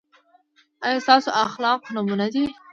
ایا ستاسو اخلاق نمونه دي؟